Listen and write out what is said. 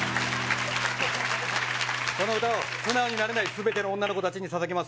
この歌を素直になれないすべての女の子たちにささげます。